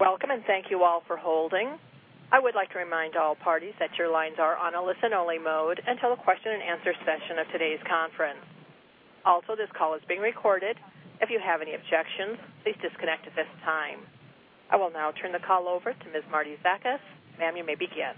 Welcome. Thank you all for holding. I would like to remind all parties that your lines are on a listen-only mode until the question-and-answer session of today's conference. This call is being recorded. If you have any objections, please disconnect at this time. I will now turn the call over to Ms. Marietta Zakas. Ma'am, you may begin.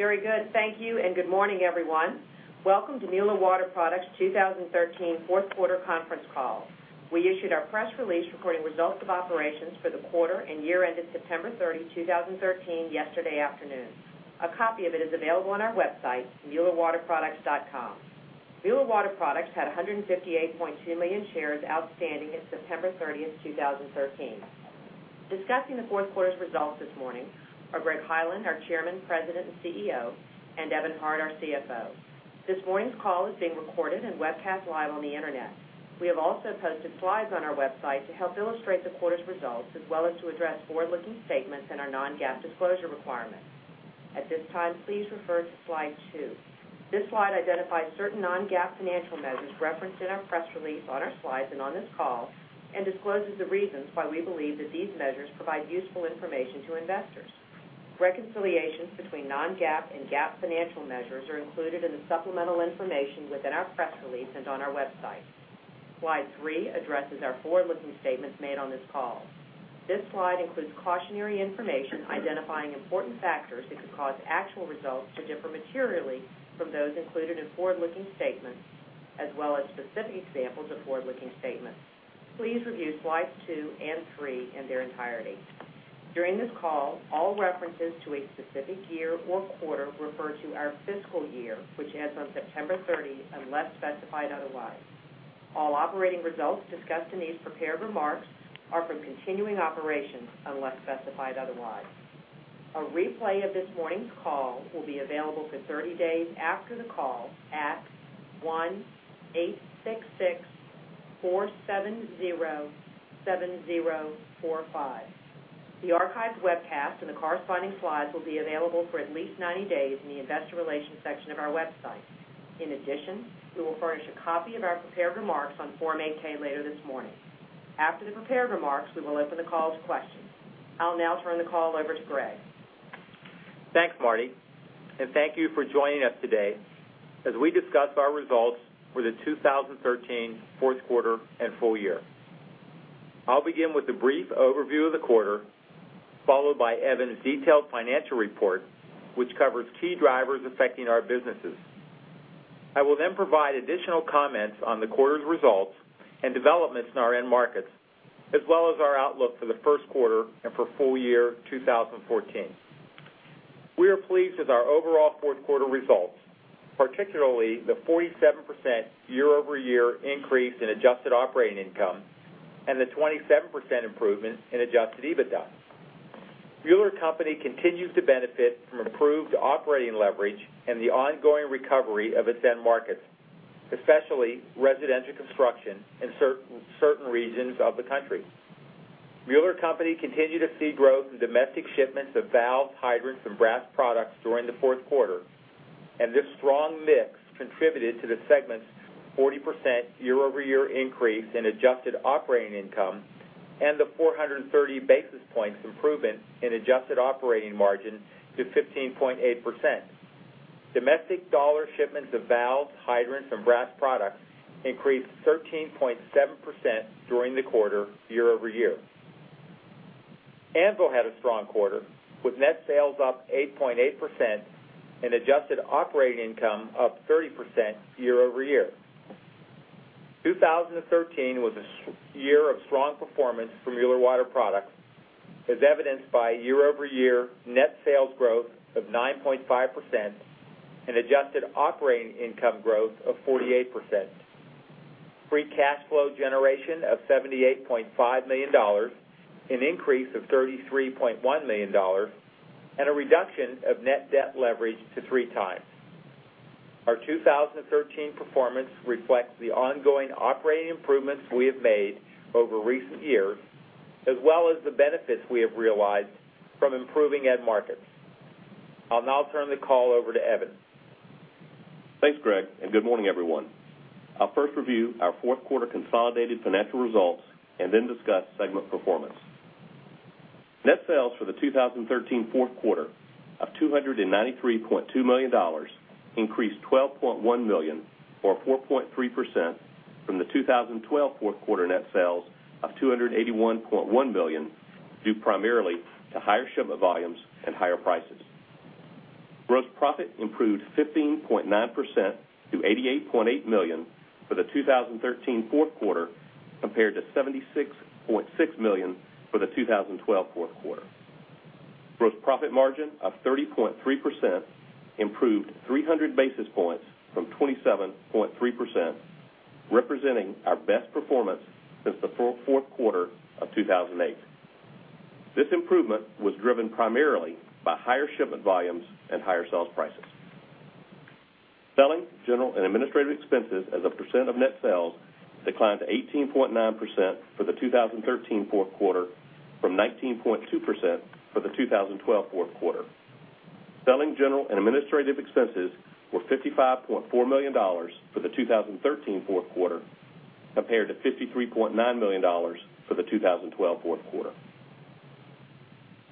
Very good. Thank you. Good morning, everyone. Welcome to Mueller Water Products' 2013 fourth quarter conference call. We issued our press release recording results of operations for the quarter and year-end of September 30, 2013 yesterday afternoon. A copy of it is available on our website, muellerwaterproducts.com. Mueller Water Products had 158.2 million shares outstanding at September 30, 2013. Discussing the fourth quarter's results this morning are Greg Hyland, our Chairman, President, and CEO, and Evan Hart, our CFO. This morning's call is being recorded and webcast live on the internet. We have also posted slides on our website to help illustrate the quarter's results, as well as to address forward-looking statements and our non-GAAP disclosure requirements. At this time, please refer to slide two. This slide identifies certain non-GAAP financial measures referenced in our press release, on our slides, and on this call, and discloses the reasons why we believe that these measures provide useful information to investors. Reconciliations between non-GAAP and GAAP financial measures are included in the supplemental information within our press release and on our website. Slide three addresses our forward-looking statements made on this call. This slide includes cautionary information identifying important factors that could cause actual results to differ materially from those included in forward-looking statements, as well as specific examples of forward-looking statements. Please review slides two and three in their entirety. During this call, all references to a specific year or quarter refer to our fiscal year, which ends on September 30, unless specified otherwise. All operating results discussed in these prepared remarks are from continuing operations, unless specified otherwise. A replay of this morning's call will be available for 30 days after the call at one-eight-six-six four-seven-zero-seven-zero-four-five. The archived webcast and the corresponding slides will be available for at least 90 days in the investor relations section of our website. We will furnish a copy of our prepared remarks on Form 8-K later this morning. After the prepared remarks, we will open the call to questions. I'll now turn the call over to Greg. Thanks, Marti. Thank you for joining us today as we discuss our results for the 2013 fourth quarter and full year. I'll begin with a brief overview of the quarter, followed by Evan's detailed financial report, which covers key drivers affecting our businesses. I will then provide additional comments on the quarter's results and developments in our end markets, as well as our outlook for the first quarter and for full year 2014. We are pleased with our overall fourth quarter results, particularly the 47% year-over-year increase in adjusted operating income and the 27% improvement in adjusted EBITDA. Mueller Co. continues to benefit from improved operating leverage and the ongoing recovery of its end markets, especially residential construction in certain regions of the country. Mueller Co. continued to see growth in domestic shipments of valves, hydrants, and brass products during the fourth quarter, and this strong mix contributed to the segment's 40% year-over-year increase in adjusted operating income and the 430 basis points improvement in adjusted operating margin to 15.8%. Domestic dollar shipments of valves, hydrants, and brass products increased 13.7% during the quarter year-over-year. Anvil had a strong quarter, with net sales up 8.8% and adjusted operating income up 30% year-over-year. 2013 was a year of strong performance for Mueller Water Products, as evidenced by year-over-year net sales growth of 9.5% and adjusted operating income growth of 48%, free cash flow generation of $78.5 million, an increase of $33.1 million, and a reduction of net debt leverage to 3x. Our 2013 performance reflects the ongoing operating improvements we have made over recent years, as well as the benefits we have realized from improving end markets. I'll now turn the call over to Evan. Thanks, Greg. Good morning, everyone. I'll first review our fourth quarter consolidated financial results and then discuss segment performance. Net sales for the 2013 fourth quarter of $293.2 million increased $12.1 million, or 4.3%, from the 2012 fourth quarter net sales of $281.1 million, due primarily to higher shipment volumes and higher prices. Gross profit improved 15.9% to $88.8 million for the 2013 fourth quarter, compared to $76.6 million for the 2012 fourth quarter. Gross profit margin of 30.3% improved 300 basis points from 27.3%, representing our best performance since the fourth quarter of 2008. This improvement was driven primarily by higher shipment volumes and higher sales prices. Selling, general, and administrative expenses as a percent of net sales declined to 18.9% for the 2013 fourth quarter from 19.2% for the 2012 fourth quarter. Selling, general, and administrative expenses were $55.4 million for the 2013 fourth quarter, compared to $53.9 million for the 2012 fourth quarter.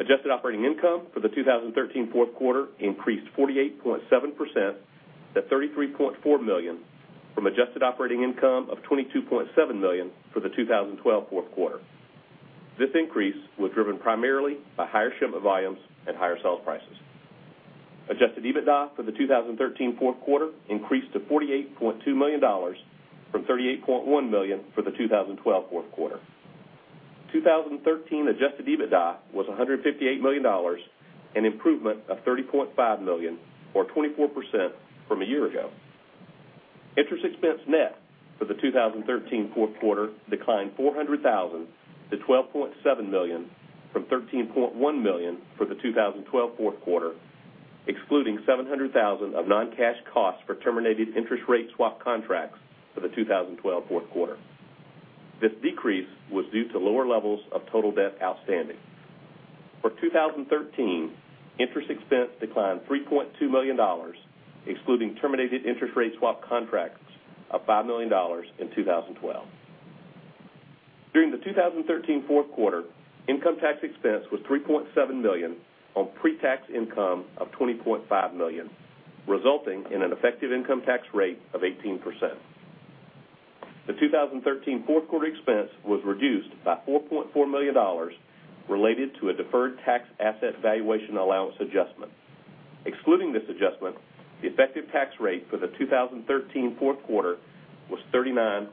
Adjusted operating income for the 2013 fourth quarter increased 48.7% to $33.4 million from adjusted operating income of $22.7 million for the 2012 fourth quarter. This increase was driven primarily by higher shipment volumes and higher sales prices. Adjusted EBITDA for the 2013 fourth quarter increased to $48.2 million from $38.1 million for the 2012 fourth quarter. 2013 adjusted EBITDA was $158 million, an improvement of $30.5 million or 24% from a year ago. Interest expense net for the 2013 fourth quarter declined $400,000 to $12.7 million from $13.1 million for the 2012 fourth quarter, excluding $700,000 of non-cash costs for terminated interest rate swap contracts for the 2012 fourth quarter. This decrease was due to lower levels of total debt outstanding. For 2013, interest expense declined $3.2 million, excluding terminated interest rate swap contracts of $5 million in 2012. During the 2013 fourth quarter, income tax expense was $3.7 million on pre-tax income of $20.5 million, resulting in an effective income tax rate of 18%. The 2013 fourth quarter expense was reduced by $4.4 million related to a deferred tax asset valuation allowance adjustment. Excluding this adjustment, the effective tax rate for the 2013 fourth quarter was 39.5%.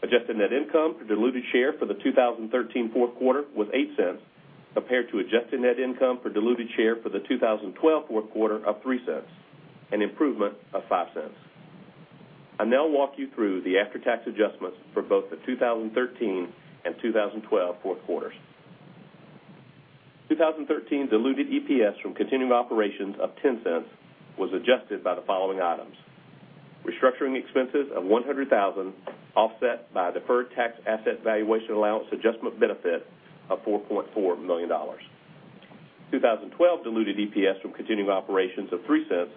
Adjusted net income per diluted share for the 2013 fourth quarter was $0.08, compared to adjusted net income per diluted share for the 2012 fourth quarter of $0.03, an improvement of $0.05. I'll now walk you through the after-tax adjustments for both the 2013 and 2012 fourth quarters. 2013's diluted EPS from continuing operations of $0.10 was adjusted by the following items: Restructuring expenses of $100,000, offset by deferred tax asset valuation allowance adjustment benefit of $4.4 million. 2012 diluted EPS from continuing operations of $0.03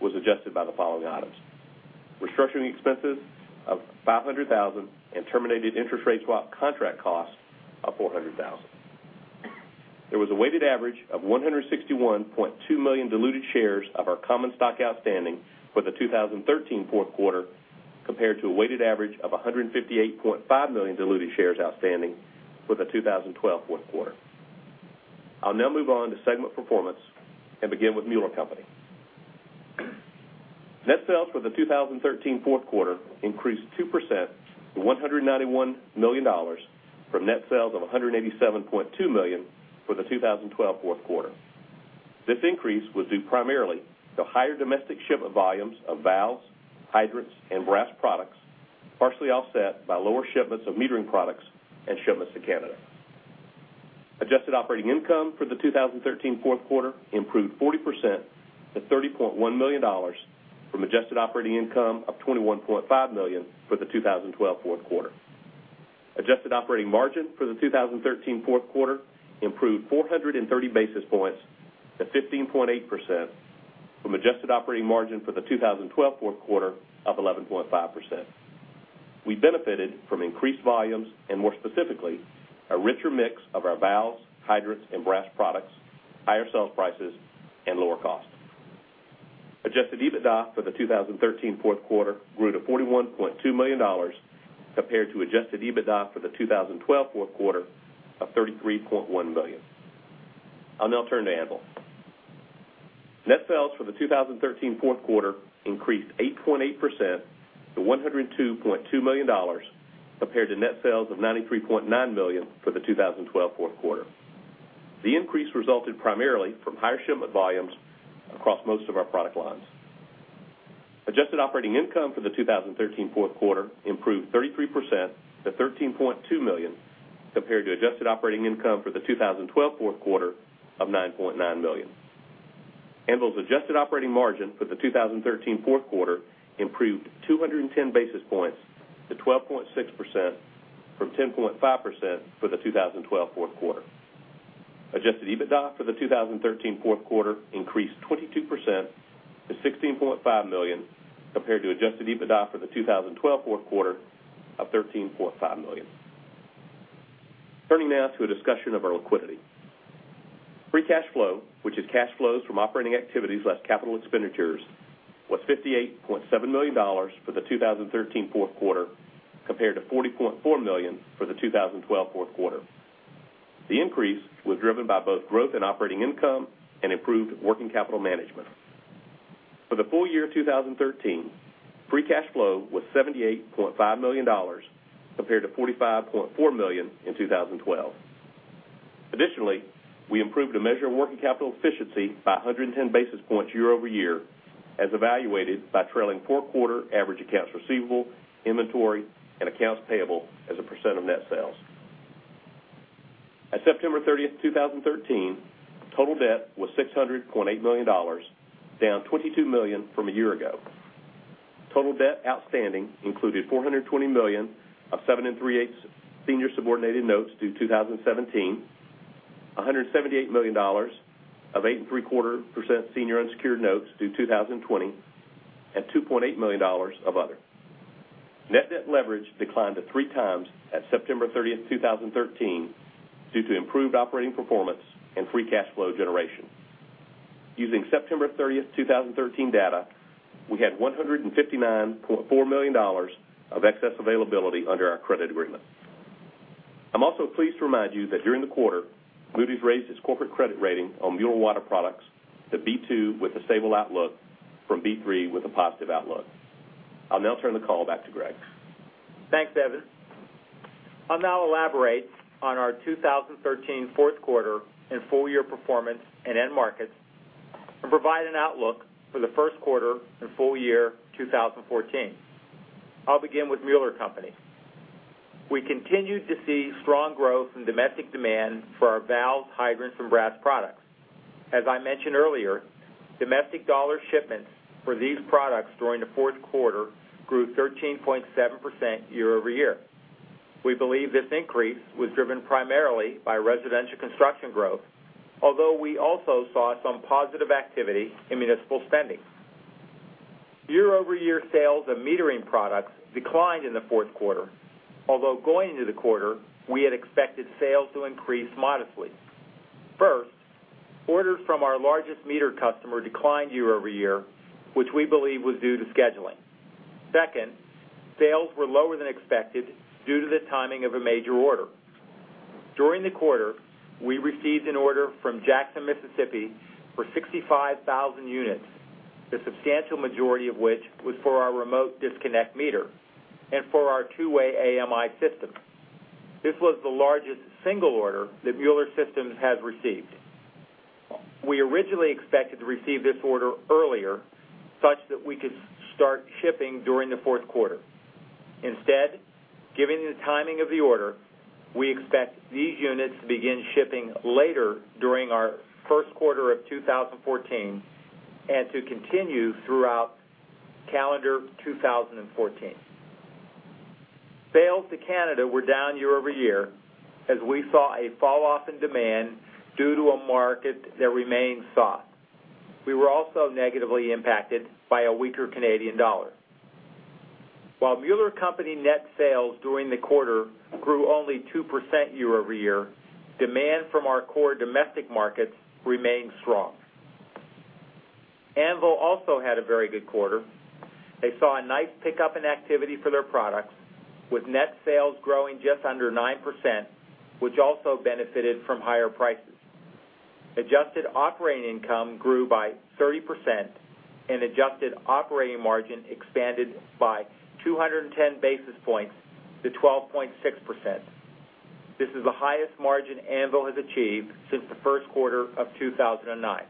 was adjusted by the following items: Restructuring expenses of $500,000 and terminated interest rate swap contract costs of $400,000. There was a weighted average of 161.2 million diluted shares of our common stock outstanding for the 2013 fourth quarter, compared to a weighted average of 158.5 million diluted shares outstanding for the 2012 fourth quarter. I'll now move on to segment performance and begin with Mueller Company. Net sales for the 2013 fourth quarter increased 2% to $191 million from net sales of $187.2 million for the 2012 fourth quarter. This increase was due primarily to higher domestic shipment volumes of valves, hydrants, and brass products, partially offset by lower shipments of metering products and shipments to Canada. Adjusted operating income for the 2013 fourth quarter improved 40% to $30.1 million from adjusted operating income of $21.5 million for the 2012 fourth quarter. Adjusted operating margin for the 2013 fourth quarter improved 430 basis points to 15.8% from adjusted operating margin for the 2012 fourth quarter of 11.5%. We benefited from increased volumes and more specifically, a richer mix of our valves, hydrants, and brass products, higher sales prices, and lower costs. Adjusted EBITDA for the 2013 fourth quarter grew to $41.2 million compared to adjusted EBITDA for the 2012 fourth quarter of $33.1 million. I'll now turn to Anvil. Net sales for the 2013 fourth quarter increased 8.8% to $102.2 million compared to net sales of $93.9 million for the 2012 fourth quarter. The increase resulted primarily from higher shipment volumes across most of our product lines. Adjusted operating income for the 2013 fourth quarter improved 33% to $13.2 million, compared to adjusted operating income for the 2012 fourth quarter of $9.9 million. Anvil's adjusted operating margin for the 2013 fourth quarter improved 210 basis points to 12.6% from 10.5% for the 2012 fourth quarter. Adjusted EBITDA for the 2013 fourth quarter increased 22% to $16.5 million compared to adjusted EBITDA for the 2012 fourth quarter of $13.5 million. Turning now to a discussion of our liquidity. Free cash flow, which is cash flows from operating activities less capital expenditures, was $58.7 million for the 2013 fourth quarter compared to $40.4 million for the 2012 fourth quarter. The increase was driven by both growth and operating income and improved working capital management. For the full year 2013, free cash flow was $78.5 million compared to $45.4 million in 2012. Additionally, we improved a measure of working capital efficiency by 110 basis points year-over-year as evaluated by trailing four quarter average accounts receivable, inventory, and accounts payable as a percent of net sales. At September 30th, 2013, total debt was $600.8 million, down $22 million from a year ago. Total debt outstanding included $420 million of seven and three-eighths senior subordinated notes due 2017, $178 million of 8.75% senior unsecured notes due 2020, and $2.8 million of other. Net debt leverage declined to three times at September 30th, 2013, due to improved operating performance and free cash flow generation. Using September 30th, 2013, data, we had $159.4 million of excess availability under our credit agreement. I'm also pleased to remind you that during the quarter, Moody's raised its corporate credit rating on Mueller Water Products to B2 with a stable outlook from B3 with a positive outlook. I'll now turn the call back to Greg. Thanks, Evan. I'll now elaborate on our 2013 fourth quarter and full-year performance and end markets and provide an outlook for the first quarter and full year 2014. I'll begin with Mueller Company. We continued to see strong growth in domestic demand for our valves, hydrants, and brass products. As I mentioned earlier, domestic dollar shipments for these products during the fourth quarter grew 13.7% year-over-year. We believe this increase was driven primarily by residential construction growth, although we also saw some positive activity in municipal spending. Year-over-year sales of metering products declined in the fourth quarter, although going into the quarter, we had expected sales to increase modestly. First, orders from our largest meter customer declined year-over-year, which we believe was due to scheduling. Second, sales were lower than expected due to the timing of a major order. During the quarter, we received an order from Jackson, Mississippi, for 65,000 units, the substantial majority of which was for our remote disconnect meter and for our two-way AMI system. This was the largest single order that Mueller Systems has received. We originally expected to receive this order earlier, such that we could start shipping during the fourth quarter. Instead, given the timing of the order, we expect these units to begin shipping later during our first quarter of 2014 and to continue throughout calendar 2014. Sales to Canada were down year-over-year as we saw a falloff in demand due to a market that remains soft. We were also negatively impacted by a weaker Canadian dollar. While Mueller Company net sales during the quarter grew only 2% year-over-year, demand from our core domestic markets remained strong. Anvil also had a very good quarter. They saw a nice pickup in activity for their products, with net sales growing just under 9%, which also benefited from higher prices. Adjusted operating income grew by 30%, and adjusted operating margin expanded by 210 basis points to 12.6%. This is the highest margin Anvil has achieved since the first quarter of 2009.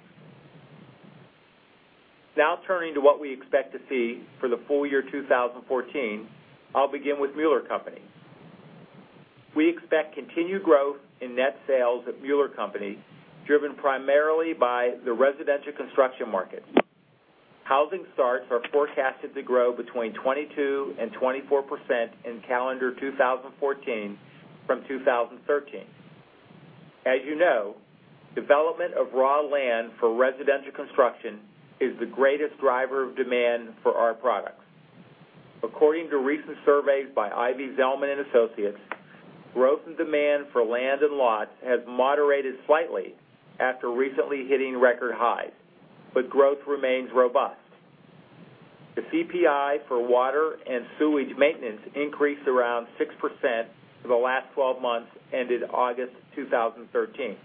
Now turning to what we expect to see for the full year 2014, I'll begin with Mueller Company. We expect continued growth in net sales at Mueller Company, driven primarily by the residential construction market. Housing starts are forecasted to grow between 22%-24% in calendar 2014 from 2013. As you know, development of raw land for residential construction is the greatest driver of demand for our products. According to recent surveys by Ivy Zelman & Associates, growth and demand for land and lots has moderated slightly after recently hitting record highs, but growth remains robust. The CPI for water and sewage maintenance increased around 6% for the last 12 months ended August 2013.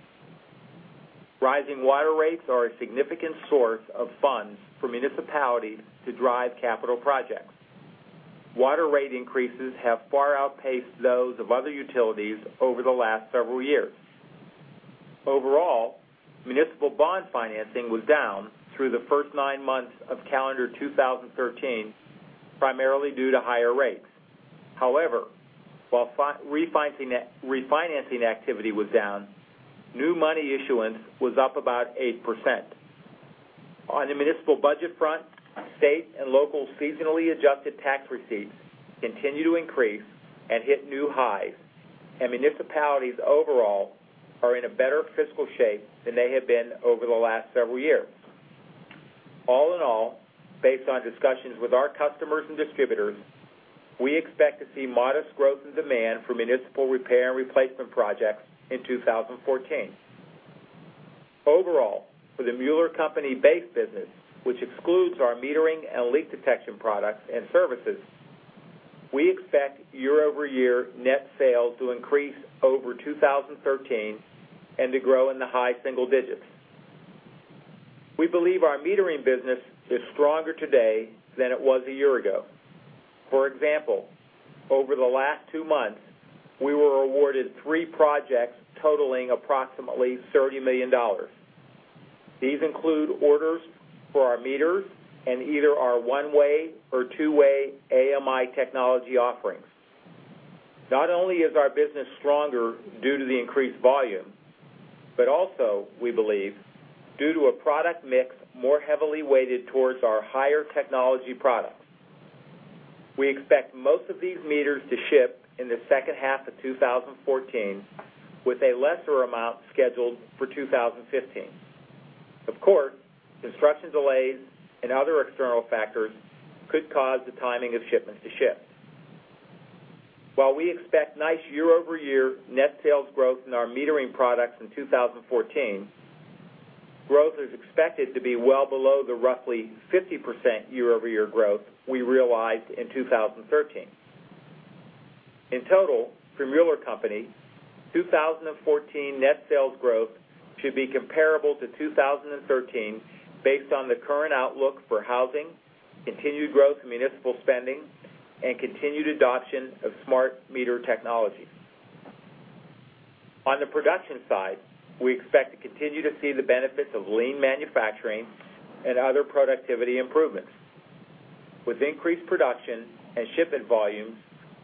Rising water rates are a significant source of funds for municipalities to drive capital projects. Water rate increases have far outpaced those of other utilities over the last several years. Overall, municipal bond financing was down through the first nine months of calendar 2013, primarily due to higher rates. However, while refinancing activity was down, new money issuance was up about 8%. On the municipal budget front, state and local seasonally adjusted tax receipts continue to increase and hit new highs, and municipalities overall are in a better fiscal shape than they have been over the last several years. All in all, based on discussions with our customers and distributors, we expect to see modest growth and demand for municipal repair and replacement projects in 2014. Overall, for the Mueller Company base business, which excludes our metering and leak detection products and services, we expect year-over-year net sales to increase over 2013 and to grow in the high single digits. We believe our metering business is stronger today than it was a year ago. For example, over the last two months, we were awarded three projects totaling approximately $30 million. These include orders for our meters in either our one-way or two-way AMI technology offerings. Not only is our business stronger due to the increased volume, but also, we believe, due to a product mix more heavily weighted towards our higher technology products. We expect most of these meters to ship in the second half of 2014, with a lesser amount scheduled for 2015. Of course, construction delays and other external factors could cause the timing of shipments to shift. While we expect nice year-over-year net sales growth in our metering products in 2014, growth is expected to be well below the roughly 50% year-over-year growth we realized in 2013. In total, for Mueller Co., 2014 net sales growth should be comparable to 2013 based on the current outlook for housing, continued growth in municipal spending, and continued adoption of smart meter technology. On the production side, we expect to continue to see the benefits of lean manufacturing and other productivity improvements. With increased production and shipment volumes,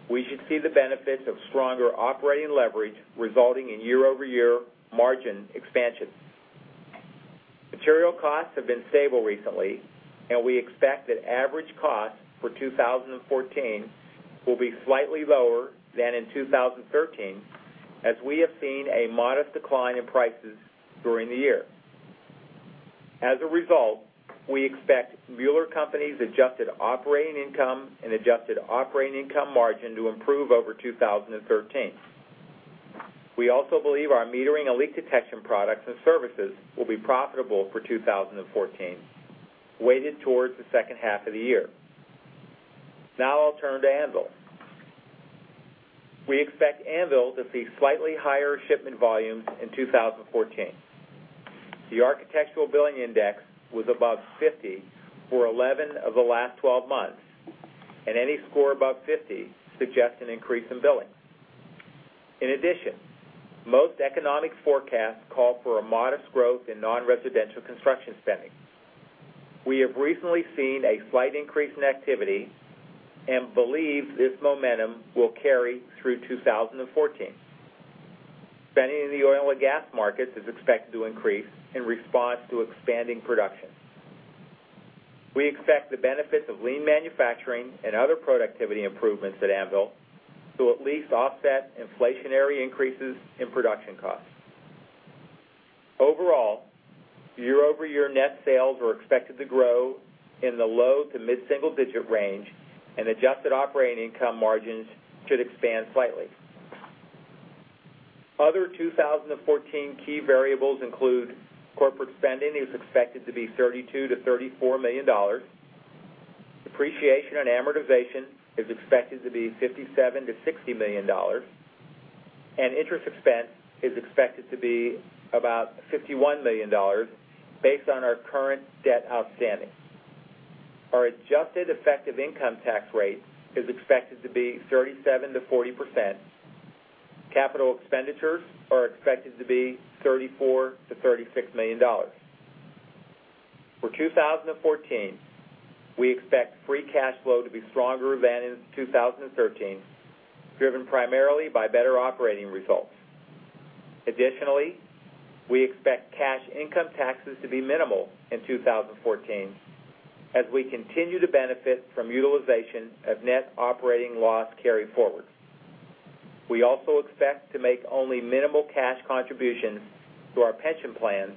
we should see the benefits of stronger operating leverage resulting in year-over-year margin expansion. Material costs have been stable recently. We expect that average costs for 2014 will be slightly lower than in 2013, as we have seen a modest decline in prices during the year. As a result, we expect Mueller Co.'s adjusted operating income and adjusted operating income margin to improve over 2013. We also believe our metering and leak detection products and services will be profitable for 2014, weighted towards the second half of the year. Now I'll turn to Anvil. We expect Anvil to see slightly higher shipment volumes in 2014. The architectural billing index was above 50 for 11 of the last 12 months. Any score above 50 suggests an increase in billings. In addition, most economic forecasts call for a modest growth in non-residential construction spending. We have recently seen a slight increase in activity and believe this momentum will carry through 2014. Spending in the oil and gas markets is expected to increase in response to expanding production. We expect the benefits of lean manufacturing and other productivity improvements at Anvil to at least offset inflationary increases in production costs. Overall, year-over-year net sales are expected to grow in the low to mid-single digit range. Adjusted operating income margins should expand slightly. Other 2014 key variables include corporate spending is expected to be $32 million-$34 million, depreciation and amortization is expected to be $57 million-$60 million, and interest expense is expected to be about $51 million based on our current debt outstanding. Our adjusted effective income tax rate is expected to be 37%-40%. Capital expenditures are expected to be $34 million-$36 million. For 2014, we expect free cash flow to be stronger than in 2013, driven primarily by better operating results. Additionally, we expect cash income taxes to be minimal in 2014 as we continue to benefit from utilization of net operating loss carryforwards. We also expect to make only minimal cash contributions to our pension plans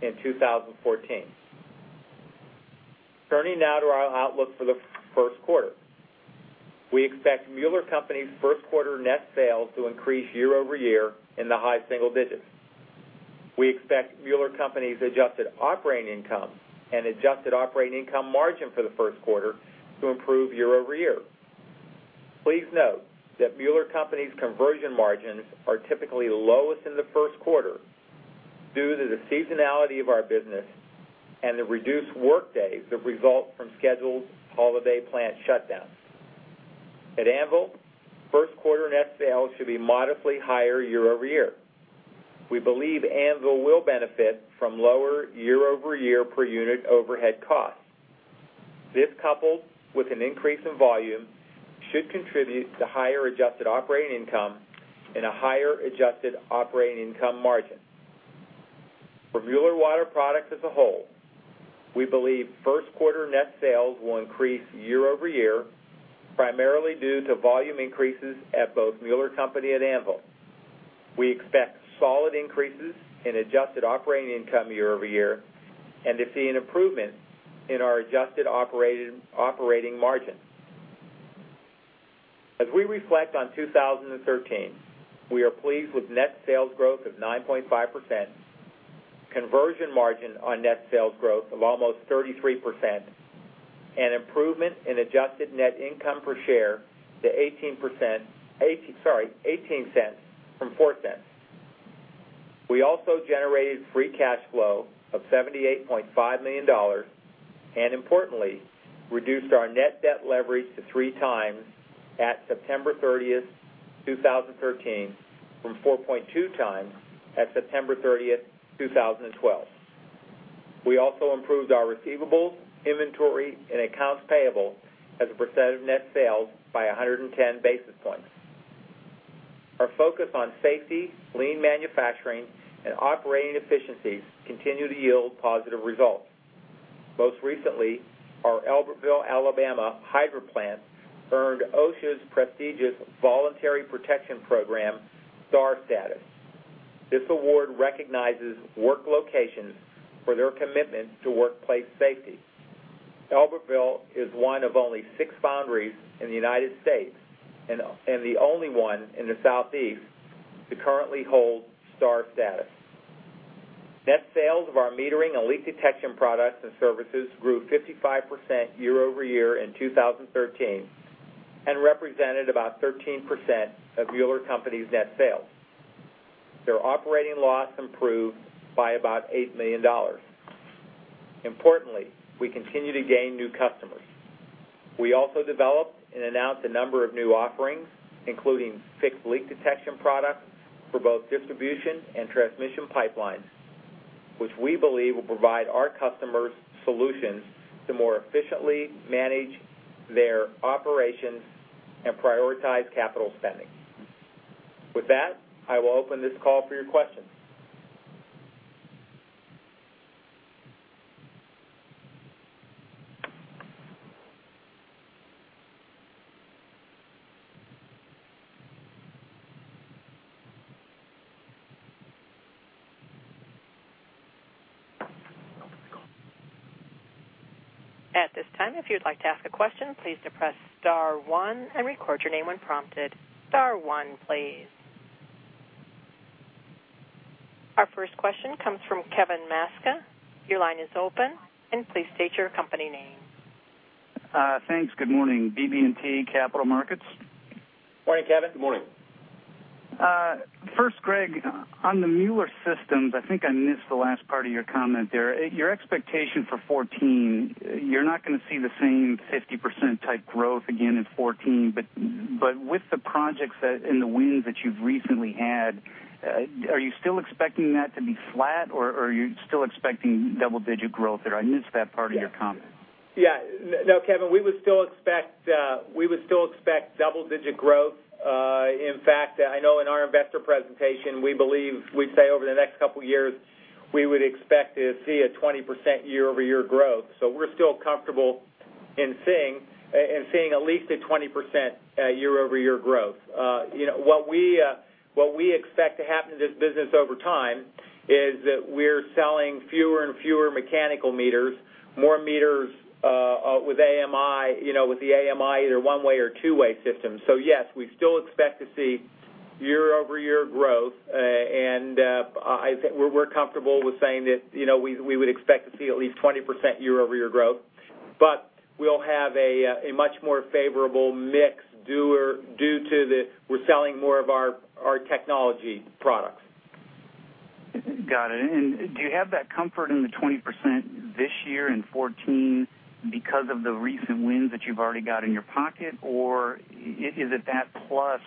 in 2014. Turning now to our outlook for the first quarter. We expect Mueller Co.'s first quarter net sales to increase year-over-year in the high single digits. We expect Mueller Co.'s adjusted operating income and adjusted operating income margin for the first quarter to improve year-over-year. Please note that Mueller Co.'s conversion margins are typically lowest in the first quarter due to the seasonality of our business and the reduced workdays that result from scheduled holiday plant shutdowns. At Anvil, first quarter net sales should be modestly higher year-over-year. We believe Anvil will benefit from lower year-over-year per unit overhead costs. This, coupled with an increase in volume, should contribute to higher adjusted operating income and a higher adjusted operating income margin. For Mueller Water Products as a whole, we believe first quarter net sales will increase year-over-year, primarily due to volume increases at both Mueller Co. and Anvil. We expect solid increases in adjusted operating income year-over-year and to see an improvement in our adjusted operating margin. As we reflect on 2013, we are pleased with net sales growth of 9.5%, conversion margin on net sales growth of almost 33%, and improvement in adjusted net income per share to $0.18 from $0.04. We also generated free cash flow of $78.5 million, and importantly, reduced our net debt leverage to 3 times at September 30, 2013, from 4.2 times at September 30, 2012. We also improved our receivables, inventory, and accounts payable as a percent of net sales by 110 basis points. Our focus on safety, lean manufacturing, and operating efficiencies continue to yield positive results. Most recently, our Albertville, Alabama hydrant plant earned OSHA's prestigious Voluntary Protection Program Star status. This award recognizes work locations for their commitment to workplace safety. Albertville is one of only six foundries in the U.S., and the only one in the Southeast to currently hold Star status. Net sales of our metering and leak detection products and services grew 55% year-over-year in 2013 and represented about 13% of Mueller Co.'s net sales. Their operating loss improved by about $8 million. Importantly, we continue to gain new customers. We also developed and announced a number of new offerings, including fixed leak detection products for both distribution and transmission pipelines, which we believe will provide our customers solutions to more efficiently manage their operations and prioritize capital spending. With that, I will open this call for your questions. At this time, if you'd like to ask a question, please depress star one and record your name when prompted. Star one, please. Our first question comes from Kevin Maczka. Your line is open, and please state your company name. Thanks. Good morning. BB&T Capital Markets. Morning, Kevin. Good morning. First, Greg, on the Mueller Systems, I think I missed the last part of your comment there. Your expectation for 2014, you're not going to see the same 50% type growth again in 2014, but with the projects in the wings that you've recently had, are you still expecting that to be flat, or are you still expecting double-digit growth there? I missed that part of your comment. No, Kevin, we would still expect double-digit growth. In fact, I know in our investor presentation, we believe, we say over the next couple of years, we would expect to see a 20% year-over-year growth. We're still comfortable in seeing at least a 20% year-over-year growth. What we expect to happen to this business over time is that we're selling fewer and fewer mechanical meters, more meters with the AMI, either one-way or two-way systems. Yes, we still expect to see year-over-year growth. We're comfortable with saying that we would expect to see at least 20% year-over-year growth. We'll have a much more favorable mix due to we're selling more of our technology products. Got it. Do you have that comfort in the 20% this year in 2014 because of the recent wins that you've already got in your pocket? Is it that plus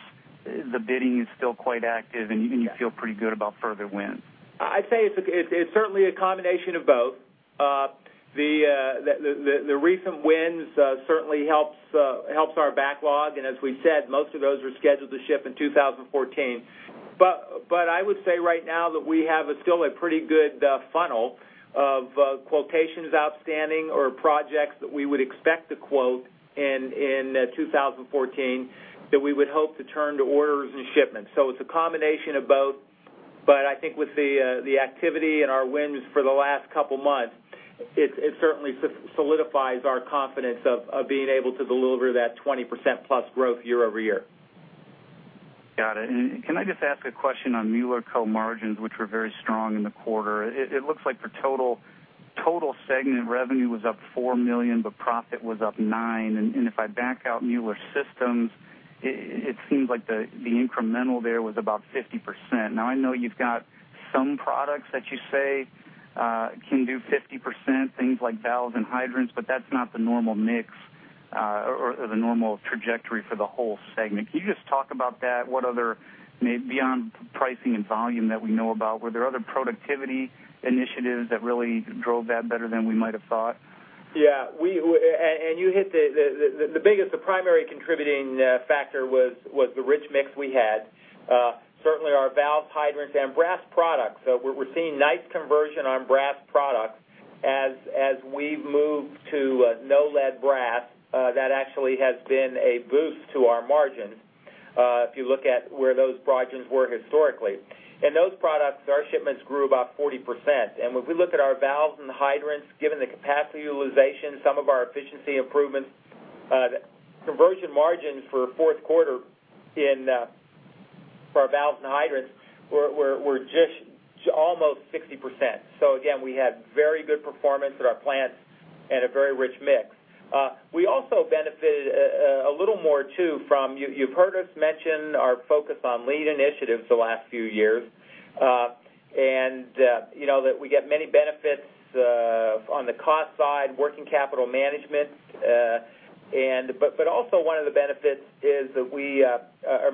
the bidding is still quite active, and you feel pretty good about further wins? I'd say it's certainly a combination of both. The recent wins certainly helps our backlog, and as we said, most of those are scheduled to ship in 2014. I would say right now that we have still a pretty good funnel of quotations outstanding or projects that we would expect to quote in 2014 that we would hope to turn to orders and shipments. It's a combination of both, but I think with the activity and our wins for the last couple of months, it certainly solidifies our confidence of being able to deliver that 20% plus growth year-over-year. Got it. Can I just ask a question on Mueller Co. margins, which were very strong in the quarter? It looks like the total segment revenue was up $4 million, but profit was up $9 million. If I back out Mueller Systems, it seems like the incremental there was about 50%. I know you've got some products that you say can do 50%, things like valves and hydrants, but that's not the normal mix or the normal trajectory for the whole segment. Can you just talk about that? What other, maybe beyond pricing and volume that we know about, were there other productivity initiatives that really drove that better than we might have thought? Yeah. The primary contributing factor was the rich mix we had. Certainly our valve hydrants and brass products. We're seeing nice conversion on brass products as we've moved to no-lead brass. That actually has been a boost to our margins, if you look at where those margins were historically. In those products, our shipments grew about 40%. When we look at our valves and hydrants, given the capacity utilization, some of our efficiency improvements, conversion margins for fourth quarter for our valves and hydrants were just almost 60%. Again, we had very good performance at our plants and a very rich mix. We also benefited a little more too from, you've heard us mention our focus on lean initiatives the last few years. We get many benefits on the cost side, working capital management. Also, one of the benefits is that we are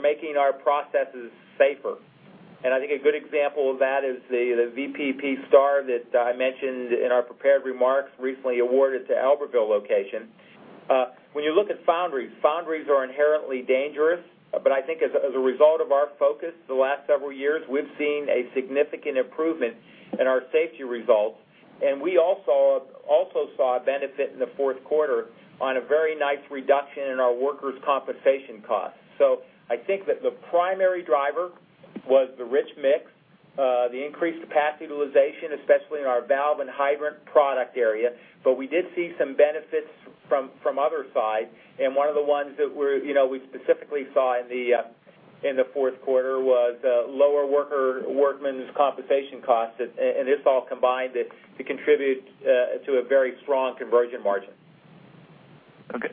making our processes safer. I think a good example of that is the VPP Star that I mentioned in our prepared remarks, recently awarded to Albertville location. When you look at foundries are inherently dangerous, but I think as a result of our focus the last several years, we've seen a significant improvement in our safety results. We also saw a benefit in the fourth quarter on a very nice reduction in our workers' compensation costs. I think that the primary driver was the rich mix, the increased capacity utilization, especially in our valve and hydrant product area. We did see some benefits from other sides, and one of the ones that we specifically saw in the fourth quarter was lower workers' compensation costs, and this all combined to contribute to a very strong conversion margin. Okay.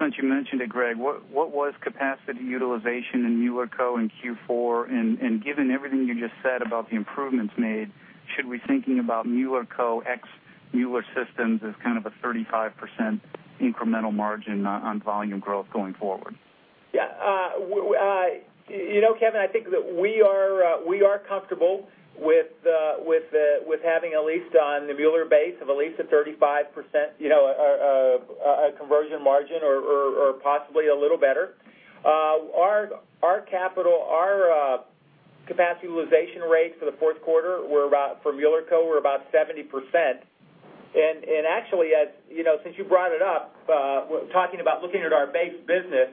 Since you mentioned it, Greg, what was capacity utilization in Mueller Co in Q4? Given everything you just said about the improvements made, should we thinking about Mueller Co. ex Mueller Systems as kind of a 35% incremental margin on volume growth going forward? Yeah. Kevin, I think that we are comfortable with having at least on the Mueller base of at least a 35% conversion margin or possibly a little better. Our capacity utilization rates for the fourth quarter for Mueller Co. were about 70%. Actually, since you brought it up, talking about looking at our base business,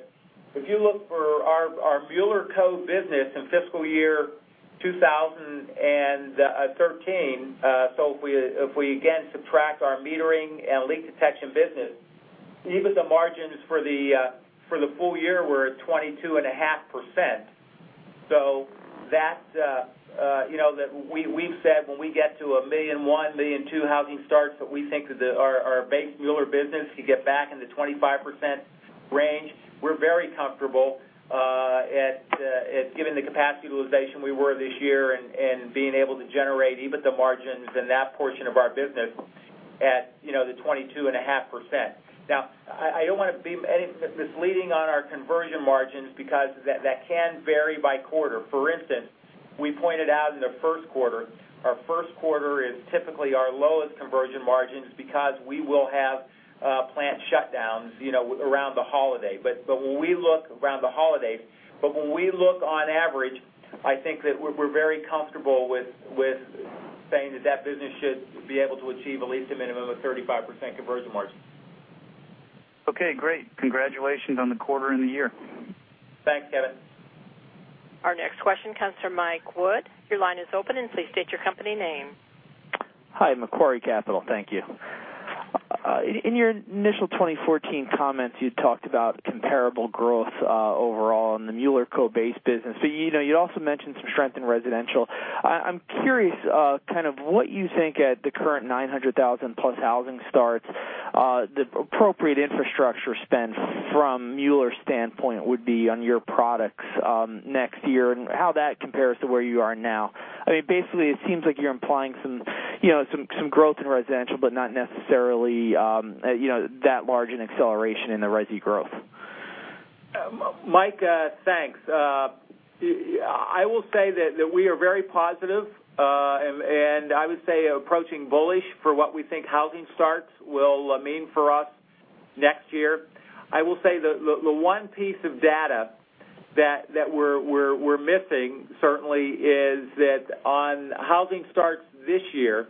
if you look for our Mueller Co. business in fiscal year 2013, if we again subtract our metering and leak detection business, even the margins for the full year were 22.5%. We've said when we get to 1 million, 1.2 million housing starts, that we think that our base Mueller business could get back in the 25% range. We're very comfortable given the capacity utilization we were this year and being able to generate even the margins in that portion of our business at the 22.5%. Now, I don't want to be misleading on our conversion margins because that can vary by quarter. For instance, we pointed out in the first quarter, our first quarter is typically our lowest conversion margins because we will have plant shutdowns around the holiday. When we look on average, I think that we're very comfortable with saying that that business should be able to achieve at least a minimum of 35% conversion margin. Okay, great. Congratulations on the quarter and the year. Thanks, Kevin. Our next question comes from Mike Wood. Your line is open and please state your company name. Hi, Macquarie Capital. Thank you. In your initial 2014 comments, you talked about comparable growth overall in the Mueller Co. base business. You also mentioned some strength in residential. I'm curious kind of what you think at the current 900,000 plus housing starts, the appropriate infrastructure spend from Mueller's standpoint would be on your products next year and how that compares to where you are now. It seems like you're implying some growth in residential, not necessarily that large an acceleration in the resi growth. Mike, thanks. I will say that we are very positive, I would say approaching bullish for what we think housing starts will mean for us next year. I will say the one piece of data that we're missing certainly is that on housing starts this year,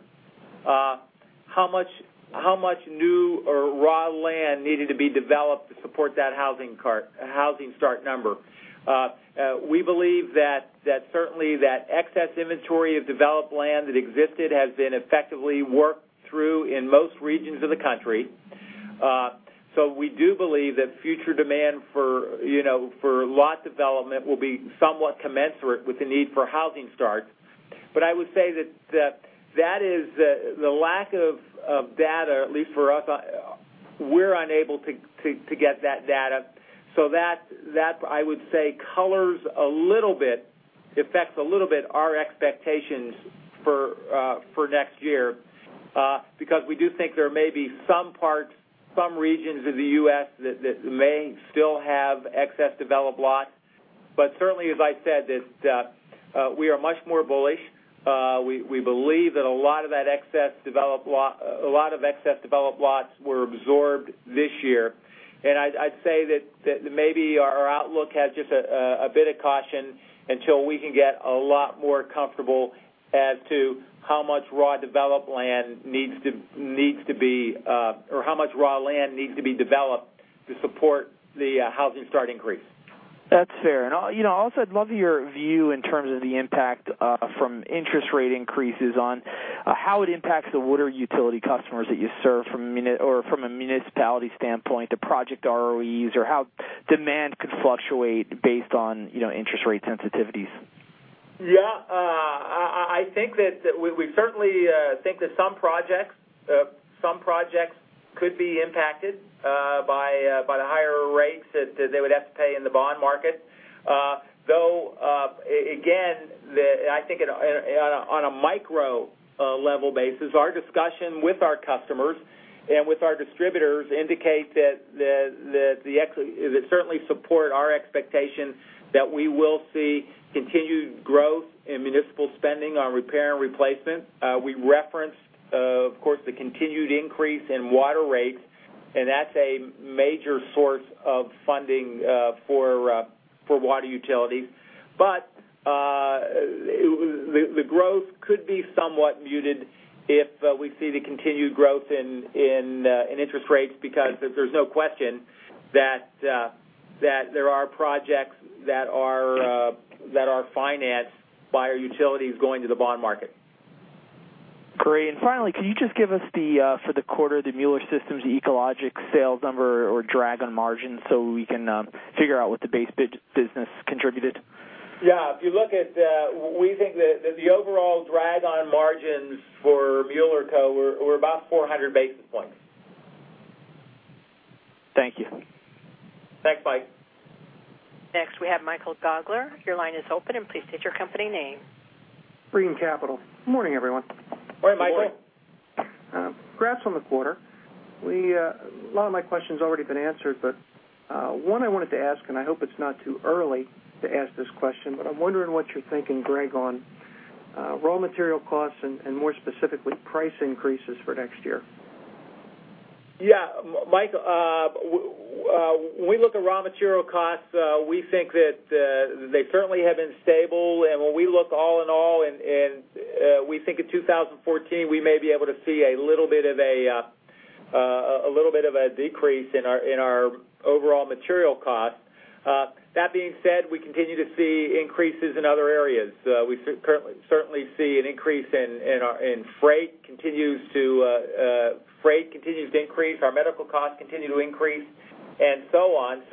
how much new or raw land needed to be developed to support that housing start number. We believe that certainly that excess inventory of developed land that existed has been effectively worked through in most regions of the country. We do believe that future demand for lot development will be somewhat commensurate with the need for housing starts. I would say that the lack of data, at least for us, we're unable to get that data. That, I would say, colors a little bit, affects a little bit our expectations for next year, because we do think there may be some parts, some regions of the U.S. that may still have excess developed lots. Certainly, as I said, that we are much more bullish. We believe that a lot of excess developed lots were absorbed this year. I'd say that maybe our outlook has just a bit of caution until we can get a lot more comfortable as to how much raw developed land needs to be, or how much raw land needs to be developed to support the housing start increase. That's fair. Also, I'd love your view in terms of the impact from interest rate increases on how it impacts the water utility customers that you serve from a municipality standpoint, the project ROEs, or how demand could fluctuate based on interest rate sensitivities. Yeah. I think that we certainly think that some projects could be impacted by the higher rates that they would have to pay in the bond market. I think on a micro level basis, our discussion with our customers and with our distributors indicate that they certainly support our expectation that we will see continued growth in municipal spending on repair and replacement. We referenced, of course, the continued increase in water rates, and that's a major source of funding for water utilities. The growth could be somewhat muted if we see the continued growth in interest rates, because there's no question that there are projects that are financed by our utilities going to the bond market. Great. Finally, can you just give us, for the quarter, the Mueller Systems Echologics sales number or drag on margin so we can figure out what the base business contributed? Yeah. We think that the overall drag on margins for Mueller Co. were about 400 basis points. Thank you. Thanks, Mike. Next, we have Michael Gaugler. Your line is open, and please state your company name. Brean Capital. Morning, everyone. Morning, Michael. Congrats on the quarter. A lot of my questions have already been answered, one I wanted to ask, and I hope it's not too early to ask this question, I'm wondering what you're thinking, Greg, on raw material costs and more specifically, price increases for next year. Yeah. Michael, when we look at raw material costs, we think that they currently have been stable. When we look all in all, we think in 2014, we may be able to see a little bit of a decrease in our overall material cost. That being said, we continue to see increases in other areas. We certainly see an increase in freight continues to increase. Our medical costs continue to increase and so on.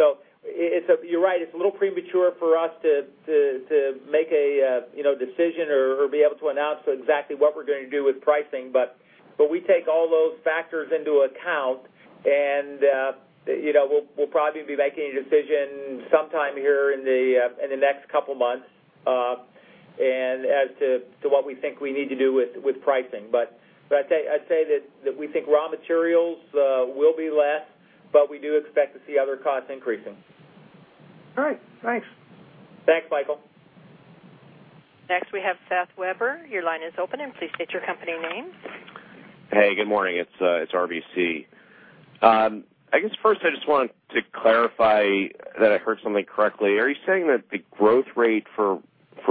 You're right. It's a little premature for us to make a decision or be able to announce exactly what we're going to do with pricing. We take all those factors into account, and we'll probably be making a decision sometime here in the next couple of months as to what we think we need to do with pricing. I'd say that we think raw materials will be less, we do expect to see other costs increasing. All right. Thanks. Thanks, Michael. Next, we have Seth Weber. Your line is open. Please state your company name. Hey, good morning. It's RBC. I guess first I just wanted to clarify that I heard something correctly. Are you saying that the growth rate for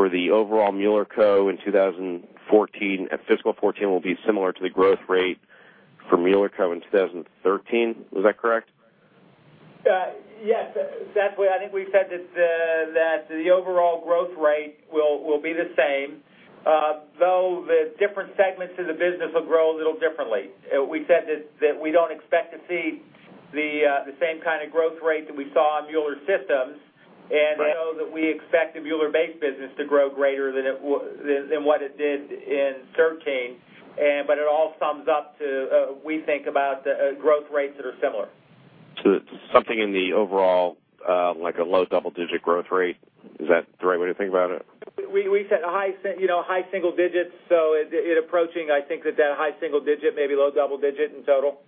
the overall Mueller Co. in 2014, at fiscal '14, will be similar to the growth rate for Mueller Co. in 2013? Was that correct? Yes. Seth, I think we've said that the overall growth rate will be the same, though the different segments of the business will grow a little differently. We said that we don't expect to see the same kind of growth rate that we saw in Mueller Systems. Right. That we expect the Mueller base business to grow greater than what it did in 2013. It all sums up to, we think about growth rates that are similar. It's something in the overall, like a low double-digit growth rate. Is that the right way to think about it? We said high single-digits. It approaching, I think that high single-digit, maybe low double-digit in total.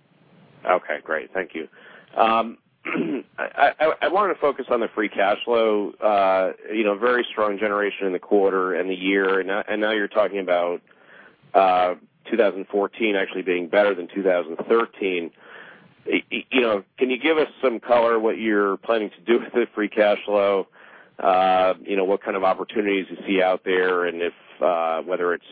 Okay, great. Thank you. I wanted to focus on the free cash flow. Very strong generation in the quarter and the year, and now you're talking about 2014 actually being better than 2013. Can you give us some color what you're planning to do with the free cash flow? What kind of opportunities you see out there, and whether it's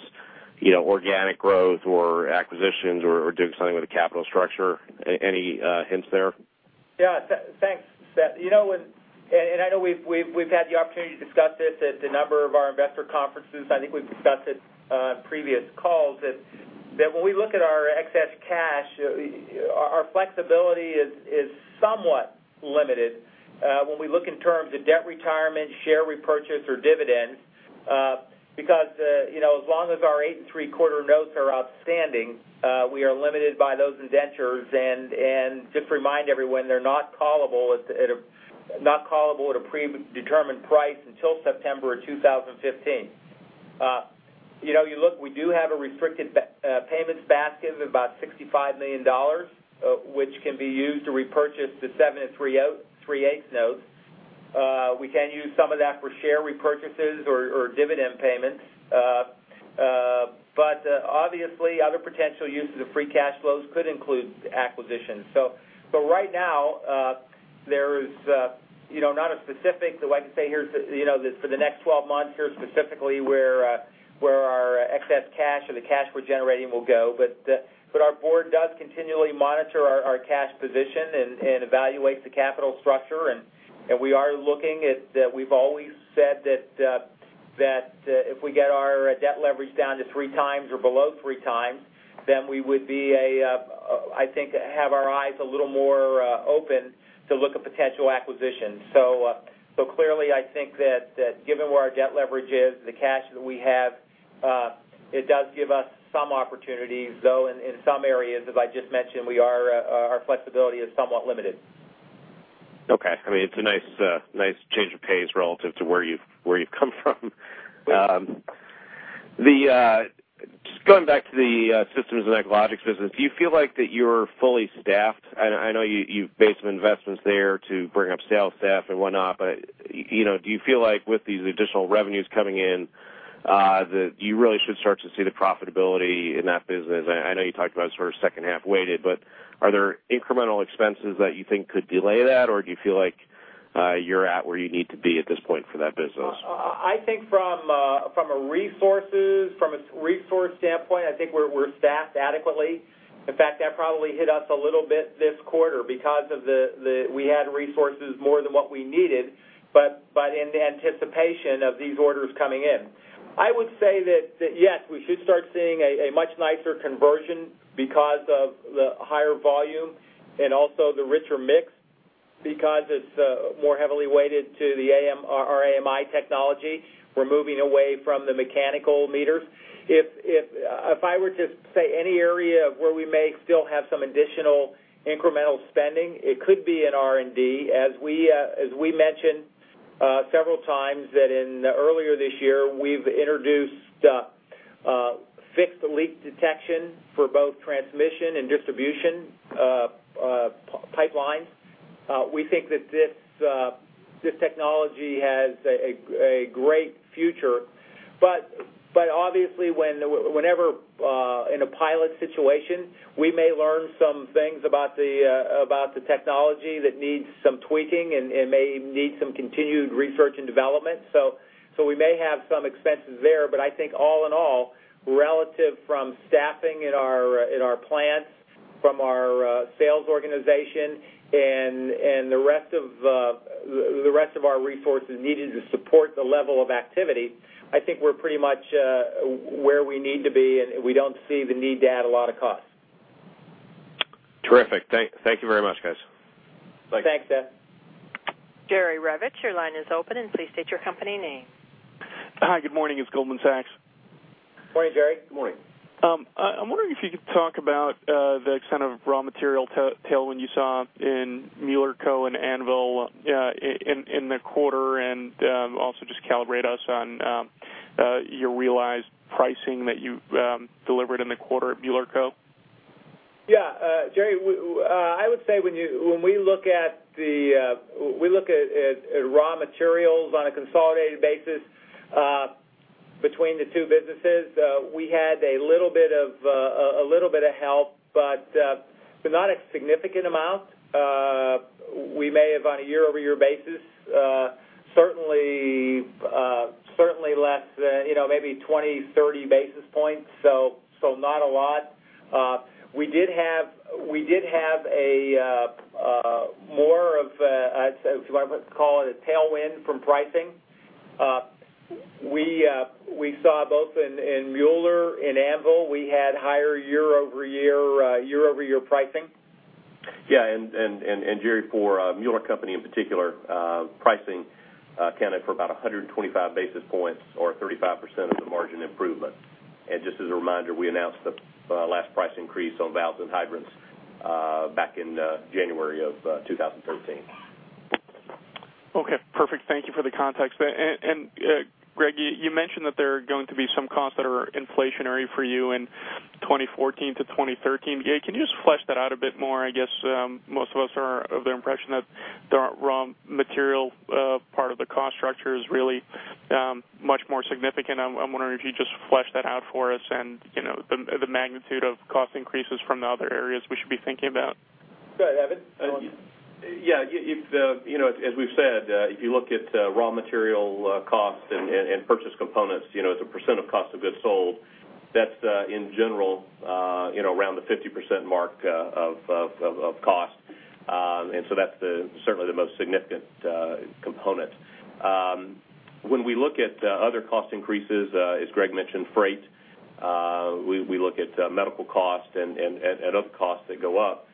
organic growth or acquisitions or doing something with the capital structure? Any hints there? Yeah. Thanks, Seth. I know we've had the opportunity to discuss this at a number of our investor conferences. I think we've discussed it on previous calls, that when we look at our excess cash, our flexibility is somewhat limited when we look in terms of debt retirement, share repurchase, or dividends. As long as our 8 3/4 notes are outstanding, we are limited by those indentures. Just remind everyone, they're not callable at a predetermined price until September of 2015. You look, we do have a restricted payments basket of about $65 million, which can be used to repurchase the 7 3/8 notes. We can use some of that for share repurchases or dividend payments. Obviously, other potential uses of free cash flows could include acquisitions. Right now, there is not a specific, so I can say for the next 12 months here, specifically where our excess cash or the cash we're generating will go. Our board does continually monitor our cash position and evaluates the capital structure. We've always said that if we get our debt leverage down to three times or below three times, then we would, I think, have our eyes a little more open to look at potential acquisitions. Clearly, I think that given where our debt leverage is, the cash that we have, it does give us some opportunities, though in some areas, as I just mentioned, our flexibility is somewhat limited. Okay. It's a nice change of pace relative to where you've come from. Just going back to the Systems and Echologics business, do you feel like that you're fully staffed? I know you've made some investments there to bring up sales staff and whatnot, do you feel like with these additional revenues coming in, that you really should start to see the profitability in that business? I know you talked about it's sort of second-half weighted, are there incremental expenses that you think could delay that, or do you feel like you're at where you need to be at this point for that business? I think from a resource standpoint, I think we're staffed adequately. In fact, that probably hit us a little bit this quarter because we had resources more than what we needed, but in the anticipation of these orders coming in. I would say that yes, we should start seeing a much nicer conversion because of the higher volume and also the richer mix, because it's more heavily weighted to our AMI technology. We're moving away from the mechanical meters. If I were to say any area of where we may still have some additional incremental spending, it could be in R&D. As we mentioned several times that in earlier this year, we've introduced fixed leak detection for both transmission and distribution pipelines. We think that this technology has a great future. Obviously, whenever in a pilot situation, we may learn some things about the technology that needs some tweaking and may need some continued research and development. We may have some expenses there, but I think all in all, relative from staffing in our plants, from our sales organization, and the rest of our resources needed to support the level of activity, I think we're pretty much where we need to be, and we don't see the need to add a lot of costs. Terrific. Thank you very much, guys. Thanks, Seth. Jerry Revich, your line is open. Please state your company name. Hi, good morning. It's Goldman Sachs. Morning, Jerry. Good morning. I'm wondering if you could talk about the extent of raw material tailwind you saw in Mueller Co. and Anvil in the quarter, and also just calibrate us on your realized pricing that you delivered in the quarter at Mueller Co. Yeah. Jerry, I would say when we look at raw materials on a consolidated basis between the two businesses, we had a little bit of help, but not a significant amount. We may have on a year-over-year basis certainly less than maybe 20, 30 basis points, so not a lot. We did have more of a, if you want to call it, a tailwind from pricing. We saw both in Mueller and Anvil, we had higher year-over-year pricing. Yeah, Jerry, for Mueller Co. in particular, pricing accounted for about 125 basis points or 35% of the margin improvement. Just as a reminder, we announced the last price increase on valves and hydrants back in January of 2013. Okay, perfect. Thank you for the context. Greg, you mentioned that there are going to be some costs that are inflationary for you in 2014 to 2013. Can you just flesh that out a bit more? I guess most of us are of the impression that the raw material part of the cost structure is really much more significant. I'm wondering if you'd just flesh that out for us and the magnitude of cost increases from the other areas we should be thinking about. Go ahead, Evan. Yeah. As we've said, if you look at raw material costs and purchase components as a percent of cost of goods sold, that's in general around the 50% mark of cost. That's certainly the most significant component. When we look at other cost increases as Greg mentioned, freight, we look at medical costs and other costs that go up.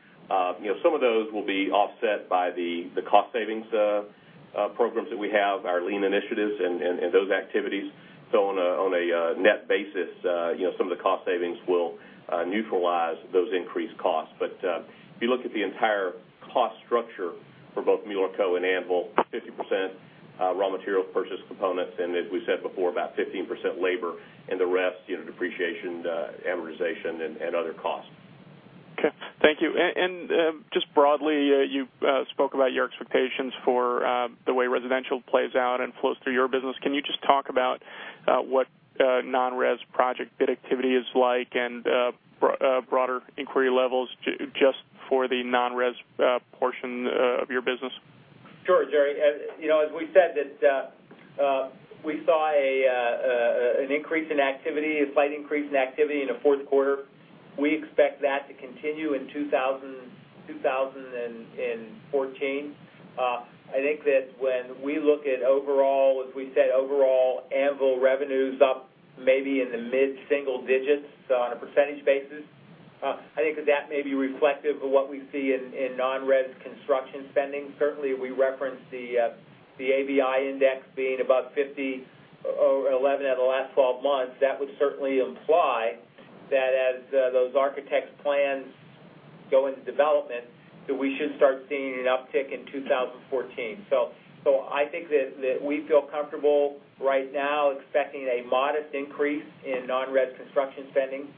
Some of those will be offset by the cost savings programs that we have, our lean initiatives and those activities. On a net basis some of the cost savings will neutralize those increased costs. If you look at the entire cost structure for both Mueller Co. and Anvil, 50% raw material purchase components, and as we said before, about 15% labor and the rest, depreciation, amortization, and other costs. Okay. Thank you. Just broadly, you spoke about your expectations for the way residential plays out and flows through your business. Can you just talk about what non-res project bid activity is like and broader inquiry levels just for the non-res portion of your business? Sure, Jerry. As we said that we saw an increase in activity, a slight increase in activity in the fourth quarter. We expect that to continue in 2014. I think that when we look at overall, as we said, overall Anvil revenues up maybe in the mid-single digits on a percentage basis. I think that that may be reflective of what we see in non-res construction spending. Certainly, we reference the ABI index being above 50 last 12 months, that would certainly imply that as those architects' plans go into development, that we should start seeing an uptick in 2014. I think that we feel comfortable right now expecting a modest increase in non-res construction spending.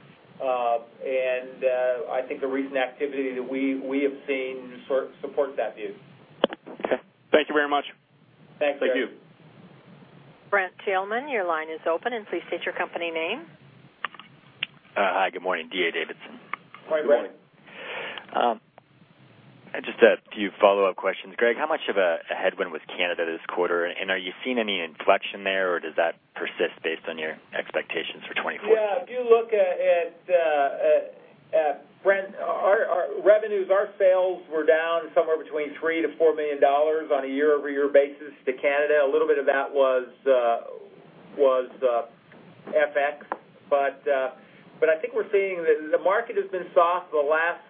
I think the recent activity that we have seen supports that view. Okay. Thank you very much. Thanks, Jerry. Thank you. Brent Thielman, your line is open, and please state your company name. Hi, good morning. D.A. Davidson. Hi, Brent. Just a few follow-up questions. Greg, how much of a headwind was Canada this quarter? Are you seeing any inflection there, or does that persist based on your expectations for 2014? Yeah, if you look at, Brent, our revenues, our sales were down somewhere between $3 million to $4 million on a year-over-year basis to Canada. A little bit of that was FX. I think we're seeing that the market has been soft the last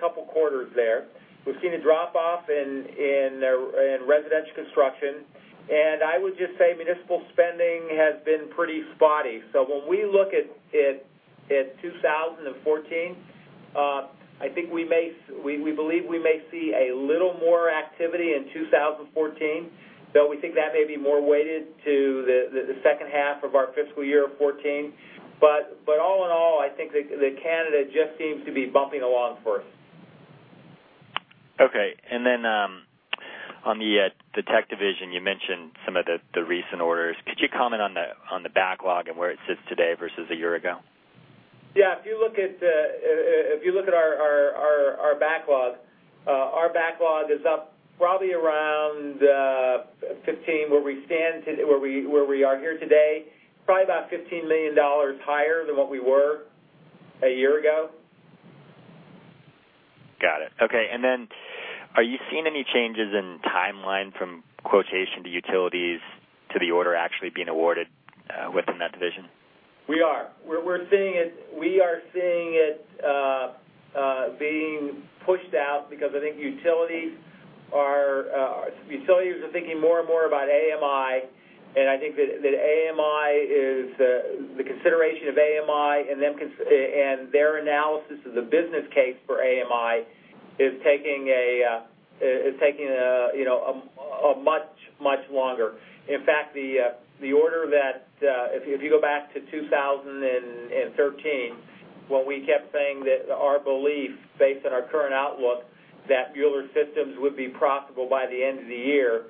couple of quarters there. We've seen a drop-off in residential construction. I would just say municipal spending has been pretty spotty. When we look at 2014, I think we believe we may see a little more activity in 2014, though we think that may be more weighted to the second half of our fiscal year 2014. All in all, I think that Canada just seems to be bumping along for us. Okay. On the tech division, you mentioned some of the recent orders. Could you comment on the backlog and where it sits today versus a year ago? Yeah, if you look at our backlog, our backlog is up probably about $15 million higher than what we were a year ago. Got it. Okay. Are you seeing any changes in timeline from quotation to utilities to the order actually being awarded within that division? We are seeing it being pushed out because I think utilities are thinking more and more about AMI, and I think that the consideration of AMI and their analysis of the business case for AMI is taking much longer. In fact, the order that, if you go back to 2013, when we kept saying that our belief, based on our current outlook, that Mueller Systems would be profitable by the end of the year,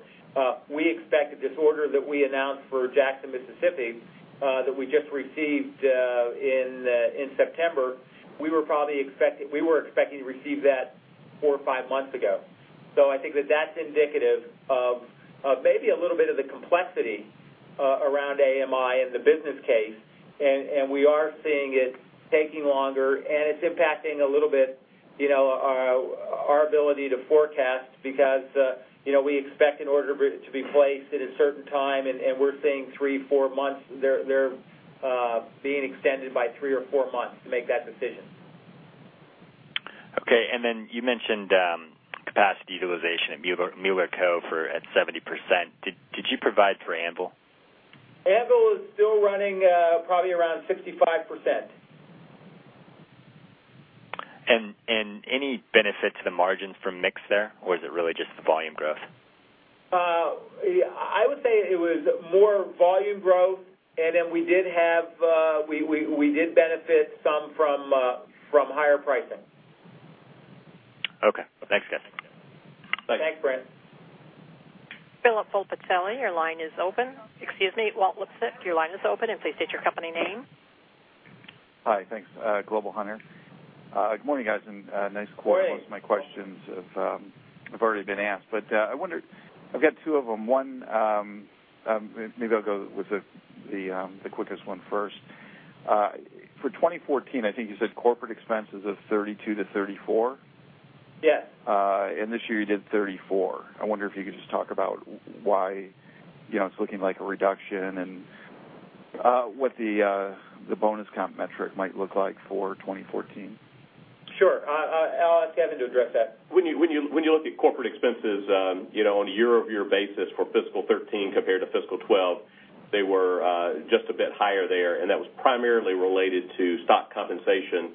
we expected this order that we announced for Jackson, Mississippi, that we just received in September, we were expecting to receive that four or five months ago. I think that that's indicative of maybe a little bit of the complexity around AMI and the business case, and we are seeing it taking longer, and it's impacting a little bit our ability to forecast because we expect an order to be placed at a certain time, and we're seeing three, four months. They're being extended by three or four months to make that decision. Okay, you mentioned capacity utilization at Mueller Co. at 70%. Did you provide for Anvil? Anvil is still running probably around 65%. Any benefit to the margins from mix there, or is it really just the volume growth? I would say it was more volume growth, and then we did benefit some from higher pricing. Okay. Thanks, guys. Thanks, Brent. Philip Volpicelli, your line is open. Excuse me, Walt Liptak, your line is open. Please state your company name. Hi. Thanks. Global Hunter. Good morning, guys. Nice quarter. Good morning. Most of my questions have already been asked. I've got two of them. One, maybe I'll go with the quickest one first. For 2014, I think you said corporate expenses of $32-$34? Yeah. This year you did $34. I wonder if you could just talk about why it's looking like a reduction and what the bonus comp metric might look like for 2014. Sure. I will ask Kevin to address that. When you look at corporate expenses on a year-over-year basis for fiscal 2013 compared to fiscal 2012, they were just a bit higher there, and that was primarily related to stock compensation,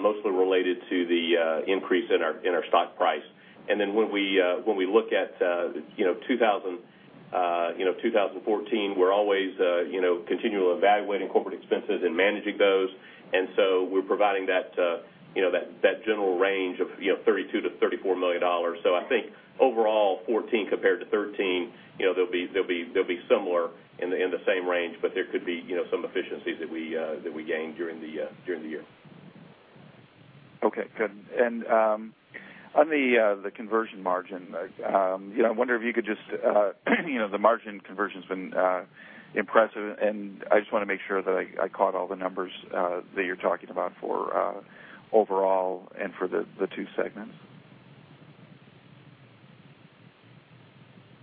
mostly related to the increase in our stock price. When we look at 2014, we are always continually evaluating corporate expenses and managing those. We are providing that general range of $32 million-$34 million. I think overall, 2014 compared to 2013, they will be similar in the same range. There could be some efficiencies that we gain during the year. Okay, good. On the conversion margin, I wonder if you could the margin conversion has been impressive, and I just want to make sure that I caught all the numbers that you are talking about for overall and for the 2 segments.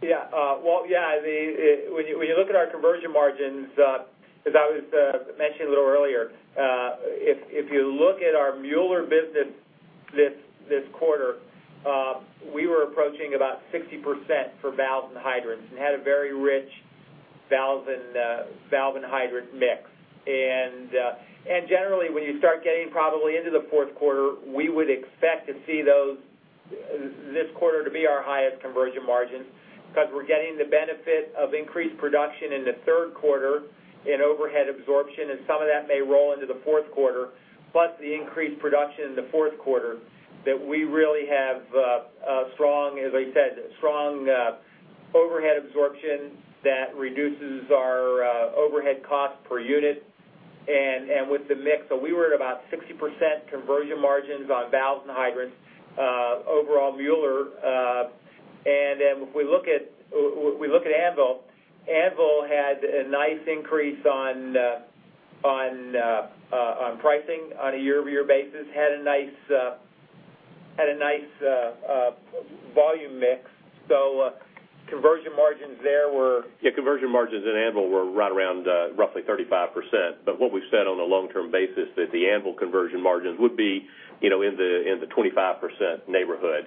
Yeah. Well, when you look at our conversion margins, as I was mentioning a little earlier, if you look at our Mueller business this quarter approaching about 60% for valves and hydrants and had a very rich valve and hydrant mix. Generally, when you start getting probably into the fourth quarter, we would expect to see this quarter to be our highest conversion margins, because we are getting the benefit of increased production in the third quarter in overhead absorption, and some of that may roll into the fourth quarter, plus the increased production in the fourth quarter that we really have, as I said, strong overhead absorption that reduces our overhead cost per unit and with the mix. We were at about 60% conversion margins on valves and hydrants, overall Mueller. If we look at Anvil had a nice increase on pricing on a year-over-year basis, had a nice volume mix. Conversion margins there were Conversion margins in Anvil were right around roughly 35%. What we've said on a long-term basis, that the Anvil conversion margins would be in the 25% neighborhood,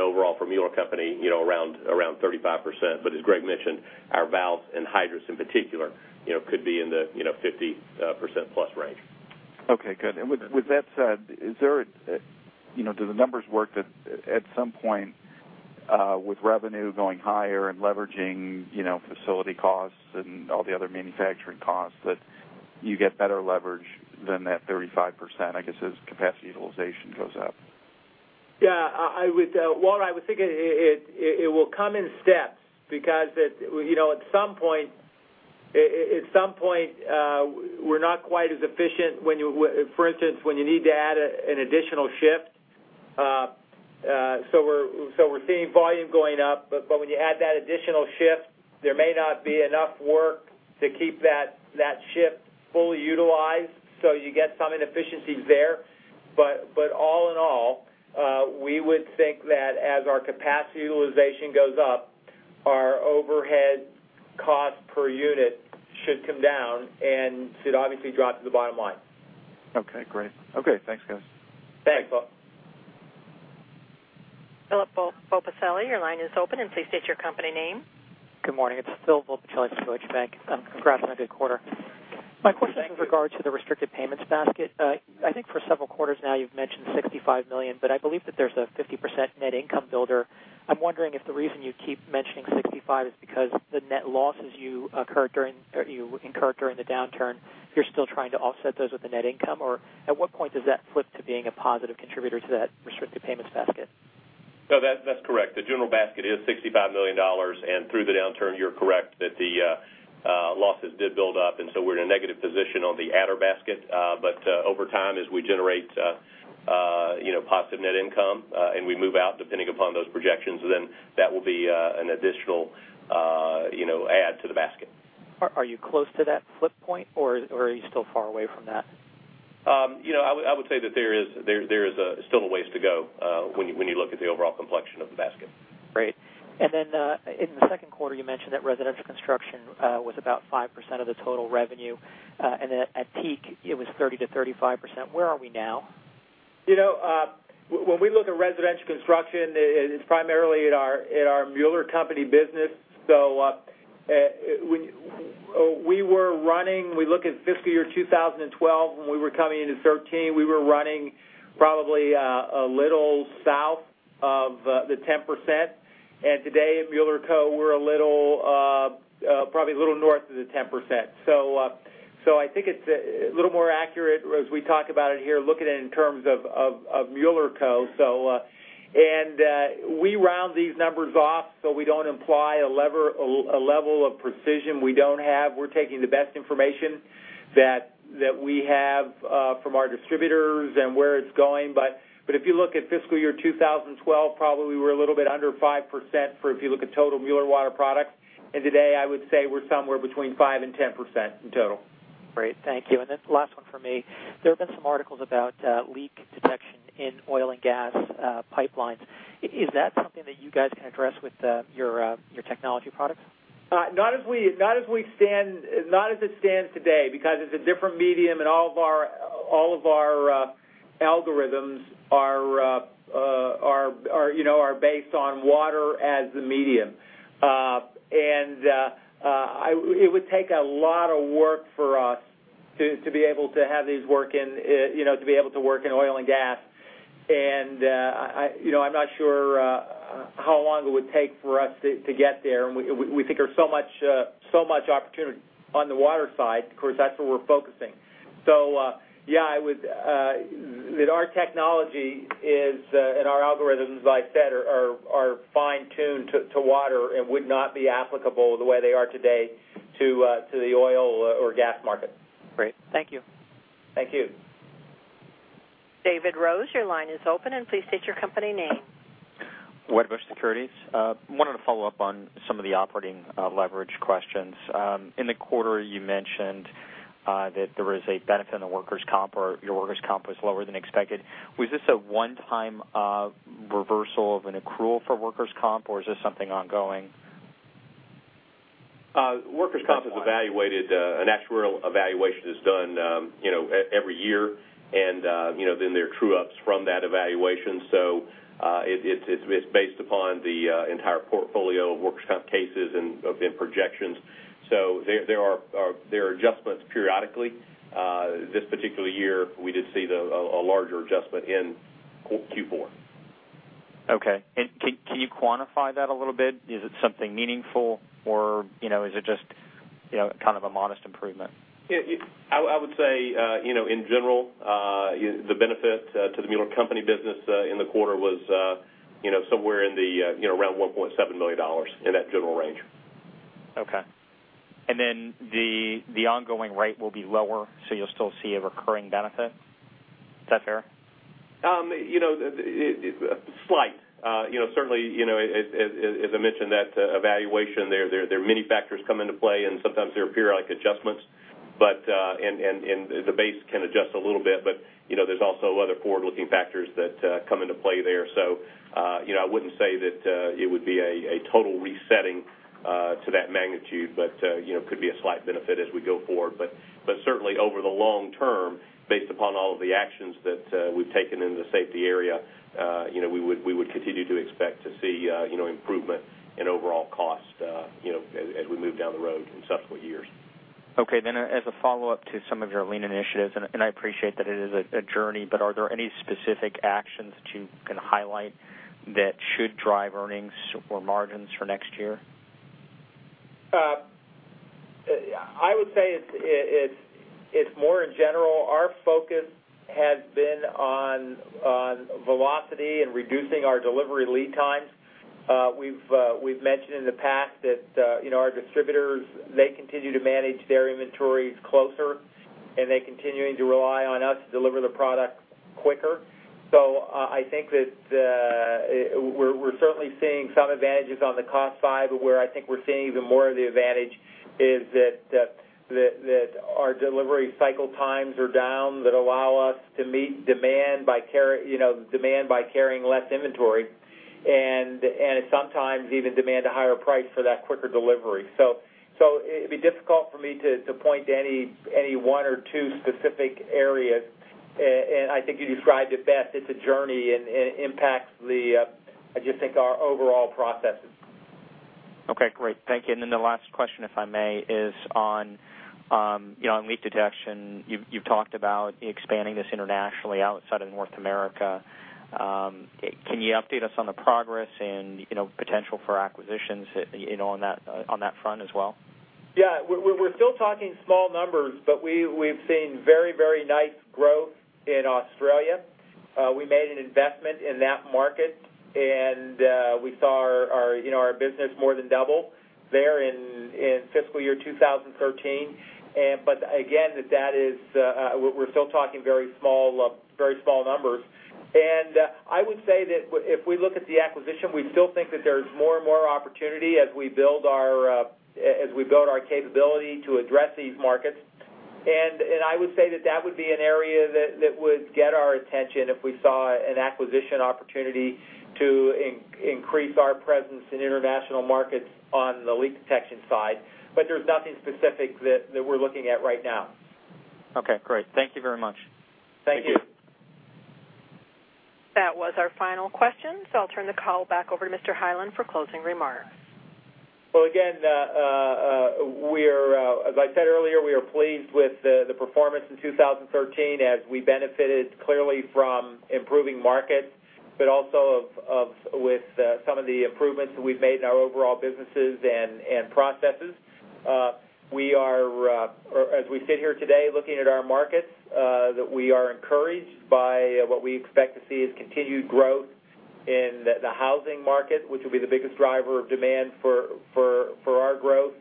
overall for Mueller Co., around 35%. As Greg mentioned, our valves and hydrants in particular could be in the 50% plus range. Okay, good. With that said, do the numbers work that at some point, with revenue going higher and leveraging facility costs and all the other manufacturing costs, that you get better leverage than that 35% as capacity utilization goes up? Walt, I would think it will come in steps because at some point, we're not quite as efficient, for instance, when you need to add an additional shift. We're seeing volume going up, but when you add that additional shift, there may not be enough work to keep that shift fully utilized, so you get some inefficiencies there. All in all, we would think that as our capacity utilization goes up, our overhead cost per unit should come down and should obviously drop to the bottom line. Okay, great. Okay, thanks, guys. Thanks, Walt. Philip Volpicelli, your line is open, and please state your company name. Good morning. It's Phil Volpicelli with Deutsche Bank. Congrats on a good quarter. Thank you. My question is with regard to the restricted payments basket. I think for several quarters now you've mentioned $65 million, but I believe that there's a 50% net income builder. I'm wondering if the reason you keep mentioning 65 is because the net losses you incurred during the downturn, you're still trying to offset those with the net income, or at what point does that flip to being a positive contributor to that restricted payments basket? No, that's correct. The general basket is $65 million, and through the downturn, you're correct that the losses did build up, and so we're in a negative position on the adder basket. Over time, as we generate positive net income, and we move out, depending upon those projections, then that will be an additional add to the basket. Are you close to that flip point or are you still far away from that? I would say that there is still a ways to go when you look at the overall complexion of the basket. Great. In the second quarter, you mentioned that residential construction was about 5% of the total revenue, and that at peak it was 30%-35%. Where are we now? When we look at residential construction, it's primarily in our Mueller Co. business. We look at fiscal year 2012, when we were coming into 2013, we were running probably a little south of the 10%. Today at Mueller Co., we're probably a little north of the 10%. I think it's a little more accurate as we talk about it here, looking at it in terms of Mueller Co. We round these numbers off, so we don't imply a level of precision we don't have. We're taking the best information that we have from our distributors and where it's going. If you look at fiscal year 2012, probably we're a little bit under 5% if you look at total Mueller Water Products. Today, I would say we're somewhere between 5%-10% in total. Great. Thank you. Last one from me. There have been some articles about leak detection in oil and gas pipelines. Is that something that you guys can address with your technology products? Not as it stands today, because it's a different medium and all of our algorithms are based on water as the medium. It would take a lot of work for us to be able to have these work in oil and gas. I'm not sure how long it would take for us to get there. We think there's so much opportunity on the water side, of course, that's where we're focusing. Yeah, our technology is, and our algorithms, as I said, are fine-tuned to water and would not be applicable the way they are today to the oil or gas market. Great. Thank you. Thank you. David Rose, your line is open, please state your company name. Wedbush Securities. I wanted to follow up on some of the operating leverage questions. In the quarter you mentioned that there was a benefit on workers' comp or your workers' comp was lower than expected. Was this a one-time reversal of an accrual for workers' comp, or is this something ongoing? Workers' Comp an actuarial evaluation is done every year, and then there are true-ups from that evaluation. It's based upon the entire portfolio of workers' comp cases and projections. There are adjustments periodically. This particular year, we did see a larger adjustment in Q4. Okay. Can you quantify that a little bit? Is it something meaningful or is it just kind of a modest improvement? I would say, in general, the benefit to the Mueller Co. business in the quarter was somewhere around $1.7 million, in that general range. Okay. The ongoing rate will be lower, so you'll still see a recurring benefit? Is that fair? Slight. Certainly, as I mentioned, that evaluation, there are many factors come into play, and sometimes there are periodic adjustments, and the base can adjust a little bit. There's also other forward-looking factors that come into play there. I wouldn't say that it would be a total resetting to that magnitude, but could be a slight benefit as we go forward. Certainly, over the long term, based upon all of the actions that we've taken in the safety area, we would continue to expect to see improvement in overall cost as we move down the road in subsequent years. Okay, as a follow-up to some of your lean initiatives, and I appreciate that it is a journey, but are there any specific actions that you can highlight that should drive earnings or margins for next year? I would say it's more in general. Our focus has been on velocity and reducing our delivery lead times. We've mentioned in the past that our distributors, they continue to manage their inventories closer, and they're continuing to rely on us to deliver the product quicker. I think that we're certainly seeing some advantages on the cost side, but where I think we're seeing even more of the advantage is that our delivery cycle times are down. That allow us to meet demand by carrying less inventory, and sometimes even demand a higher price for that quicker delivery. It'd be difficult for me to point to any one or two specific areas. I think you described it best, it's a journey and impacts our overall processes. Okay, great. Thank you. The last question, if I may, is on leak detection. You've talked about expanding this internationally outside of North America. Can you update us on the progress and potential for acquisitions on that front as well? Yeah. We're still talking small numbers, but we've seen very nice growth in Australia. We made an investment in that market, and we saw our business more than double there in fiscal year 2013. Again, we're still talking very small numbers. I would say that if we look at the acquisition, we still think that there's more and more opportunity as we build our capability to address these markets. I would say that would be an area that would get our attention if we saw an acquisition opportunity to increase our presence in international markets on the leak detection side. There's nothing specific that we're looking at right now. Okay, great. Thank you very much. Thank you. That was our final question, so I'll turn the call back over to Mr. Hyland for closing remarks. Again, as I said earlier, we are pleased with the performance in 2013 as we benefited clearly from improving markets, but also with some of the improvements that we've made in our overall businesses and processes. As we sit here today looking at our markets, we are encouraged by what we expect to see is continued growth in the housing market, which will be the biggest driver of demand for our growth.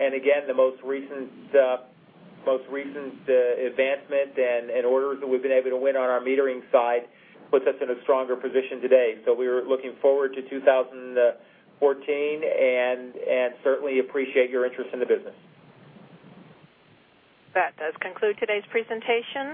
Again, the most recent advancement and orders that we've been able to win on our metering side puts us in a stronger position today. We're looking forward to 2014 and certainly appreciate your interest in the business. That does conclude today's presentation.